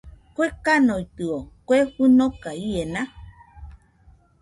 ¿Kue kanoitɨo, kue fɨnoka iena?